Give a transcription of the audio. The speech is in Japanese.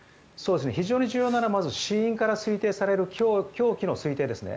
一番大事なのは死因から推定される凶器の推定ですね。